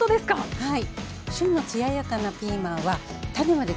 はい。